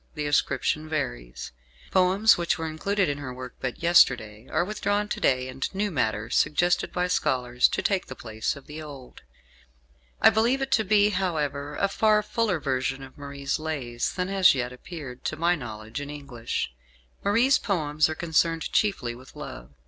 The ascription varies. Poems which were included in her work but yesterday are withdrawn to day, and new matter suggested by scholars to take the place of the old. I believe it to be, however, a far fuller version of Marie's "Lays" than has yet appeared, to my knowledge, in English. Marie's poems are concerned chiefly with love.